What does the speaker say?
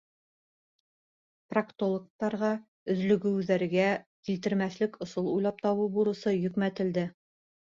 Проктологтарға өҙлөгөүҙәргә килтермәҫлек ысул уйлап табыу бурысы йөкмәтелде.